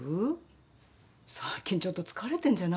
最近ちょっと疲れてんじゃない？